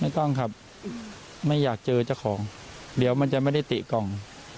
กล้องครับไม่อยากเจอเจ้าของเดี๋ยวมันจะไม่ได้ติกล่อง